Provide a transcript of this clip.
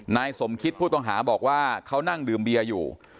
นายสมคิตผู้ต้องหาบอกว่าเขานั่งดื่มเบียร์อยู่